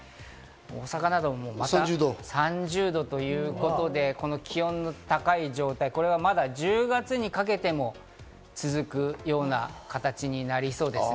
大阪などもまた３０度ということで、この気温の高い状態、これは１０月にかけても続くような形になりそうです。